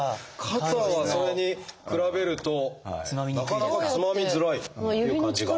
肩はそれに比べるとなかなかつまみづらいという感じが。